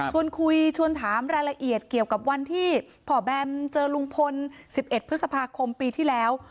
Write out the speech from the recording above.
ชวนคุยชวนถามรายละเอียดเกี่ยวกับวันที่พ่อแบมเจอลุงพล๑๑พฤษภาคมปีที่แล้ว